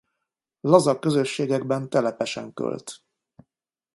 Laza közösségekben telepesen költ.